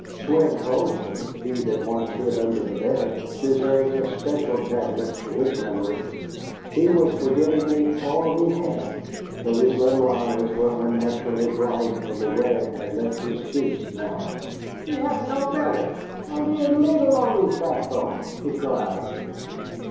Swein Poulsson, he that once hid under the bed, deserves a special tablet to his memory. He was for giving me all he had, though his little eyes were unnaturally bright and the red had left his cheeks now. "He haf no belly, only a leedle on his backbone!" he cried.